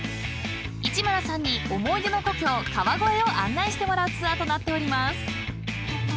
［市村さんに思い出の故郷川越を案内してもらうツアーとなっております］